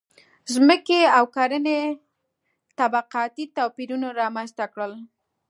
• ځمکې او کرنې طبقاتي توپیرونه رامنځته کړل.